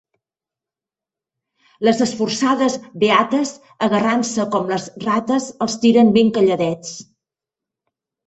Les esforçades beates, agarrant-se com les rates, els tiren ben calladets.